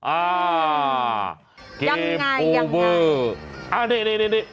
อ่าเกฟโอเวอร์ยังไงยังไงอ่านี่นี่นี่นี่นี่